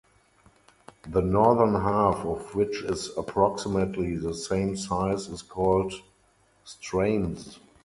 The northern half which is approximately the same size is called Streymnes.